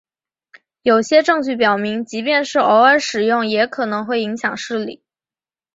有些证据表明即便是偶尔使用也可能会影响视力。